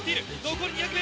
残り２００ｍ！